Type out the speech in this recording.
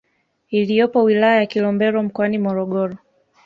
iliyopo wilaya ya Kilombero mkoani Morogoro